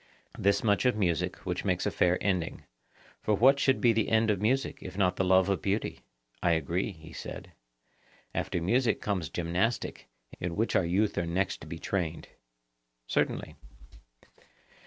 Thus much of music, which makes a fair ending; for what should be the end of music if not the love of beauty? I agree, he said. After music comes gymnastic, in which our youth are next to be trained. Certainly.